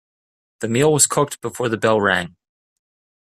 The meal was cooked before the bell rang.